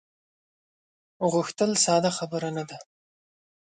غوښتل ساده خبره نه ده.